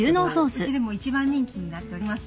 うちでも一番人気になっております。